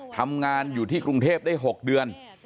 ทำงานอยู่ที่กรุงเทพได้๖เดือน